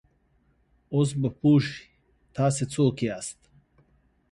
اوس به پوه شې، تاسې څوک یاست؟